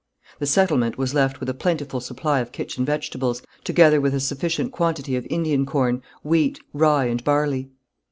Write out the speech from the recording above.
The settlement was left with a plentiful supply of kitchen vegetables, together with a sufficient quantity of Indian corn, wheat, rye and barley.